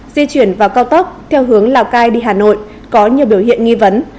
di chuyển vào cao tốc theo hướng lào cai đi hà nội có nhiều biểu hiện nghi vấn